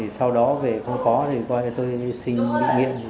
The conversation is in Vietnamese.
sau đó về không có thì tôi xin nghiện